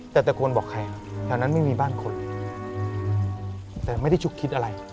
แต่ตะโกนบอกใครครับแถวนั้นไม่มีบ้านคนแต่ไม่ได้ฉุกคิดอะไร